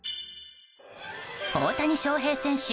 大谷翔平選手